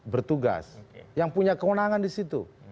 bertugas yang punya kewenangan di situ